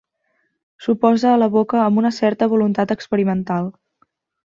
S'ho posa a la boca amb una certa voluntat experimental.